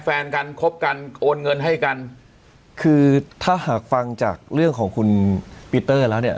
แฟนกันคบกันโอนเงินให้กันคือถ้าหากฟังจากเรื่องของคุณปีเตอร์แล้วเนี่ย